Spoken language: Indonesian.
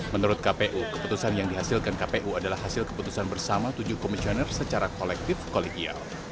menurut kpu keputusan yang dihasilkan kpu adalah hasil keputusan bersama tujuh komisioner secara kolektif kolegial